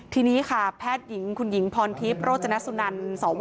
ทีนี้ค่ะแพทย์คุณหญิงพรทิพย์โรจนัสนันตร์สว